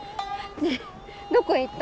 ねえどこへ行った？